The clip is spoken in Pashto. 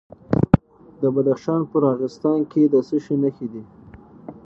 د بدخشان په راغستان کې د څه شي نښې دي؟